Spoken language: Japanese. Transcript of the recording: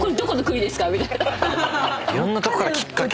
いろんなとこからきっかけを。